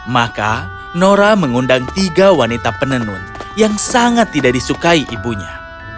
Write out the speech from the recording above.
maka nora mengundang tiga wanita penenun yang sangat tidak disukai ibunya